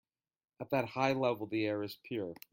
At that high level the air is pure.